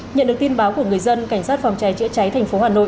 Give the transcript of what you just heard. nhận được tin báo của người dân cảnh sát phòng cháy chữa cháy thành phố hà nội